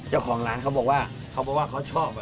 เจ้าของร้านเขาบอกว่าเขาบอกว่าเขาชอบ